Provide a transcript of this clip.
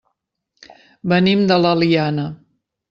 Venim de l'Eliana.